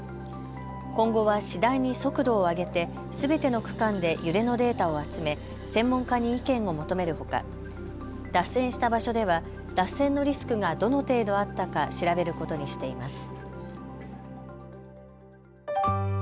今後は次第に速度を上げてすべての区間で揺れのデータを集め専門家に意見を求めるほか脱線した場所では脱線のリスクがどの程度あったか調べることにしています。